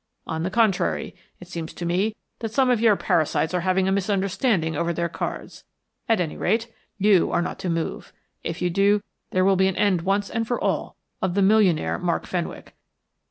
On the contrary, it seems to me that some of your parasites are having a misunderstanding over their cards. At any rate, you are not to move. If you do, there will be an end once and for all of the millionaire Mark Fenwick.